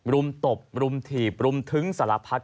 รุ่มตบรุ่มถีบรุ่มทึ้งสารพัฒน์